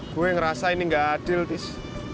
gue ngerasa ini gak adil this